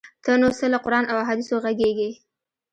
ته نو څه له قران او احادیثو ږغیږې؟!